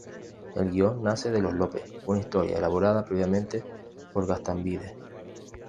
El guion nace de "Los López" una historia elaborada previamente por Gaztambide.